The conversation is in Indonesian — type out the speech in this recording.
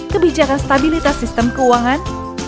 kebijakan stabilitas sistem keuangan